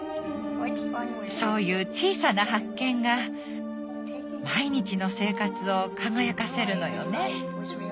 そういう小さな発見が毎日の生活を輝かせるのよね。